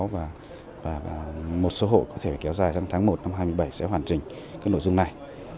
và một số hộ có thể kéo dài sang tháng một năm hai nghìn một mươi bảy sẽ hoàn trình các nội dung này